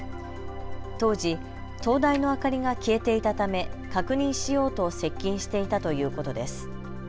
当時灯台の明かりが消えていたため、確認しようと接近していたということです。